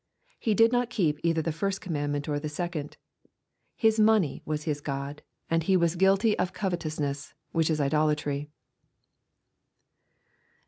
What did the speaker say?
He did not keep either the first commandment or the second. His money was his god, and he was guilty of covetousness, which is idolatry.